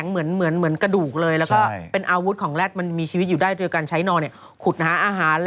เงินเข้าโมดัมเงินเข้า